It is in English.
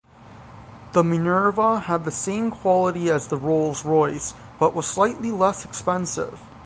The Minerva had the same quality as the Rolls-Royce, but was slightly less expensive.